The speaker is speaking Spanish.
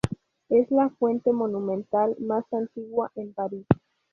Es la fuente monumental más antigua en París.